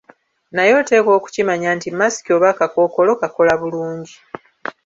Naye oteekwa okukimanya nti masiki oba akakookolo kakola bulungi.